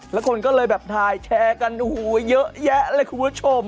แล้วคนก็เลยแบบถ่ายแชร์กันโอ้โหเยอะแยะเลยคุณผู้ชม